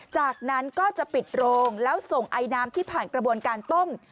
จากนั้นก็จะปิดโรงแล้วส่งไอน้ำที่ผ่านกระบวนการต้ม